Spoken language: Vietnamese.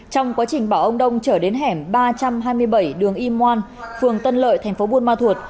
trong quá trình bảo ông đông chở đến hẻm ba trăm hai mươi bảy đường y moan phường tân lợi tp buôn ma thuột